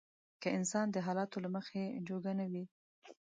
که انسان د حالاتو له مخې جوګه نه وي.